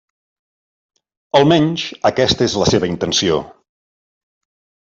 Almenys aquesta és la seva intenció.